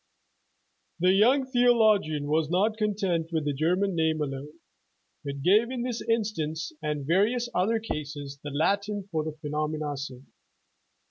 The young theologian was not content with the German name alone, but gave in this instance, and va rious other cases, the Latin for the phenomena seen.